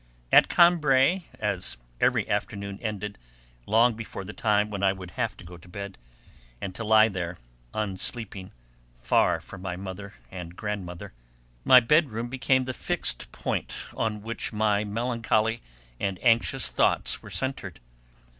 At Combray, as every afternoon ended, long before the time when I should have to go up to bed, and to lie there, unsleeping, far from my mother and grandmother, my bedroom became the fixed point on which my melancholy and anxious thoughts were centred.